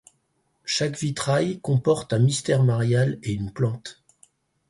Chaque vitrail comporte un mystère marial et une plante.